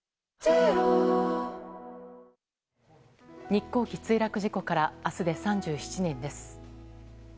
日航機墜落事故から明日で３７年です。